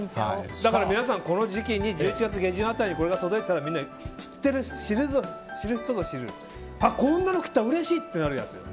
だから皆さんこの時期に１１月下旬辺りにこれが届いたら、知る人ぞ知るこんなのきたうれしいってなるやつよ。